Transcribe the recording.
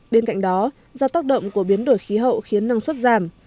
bên cạnh đó do tác động của biến đổi khí hậu khiến năng suất giảm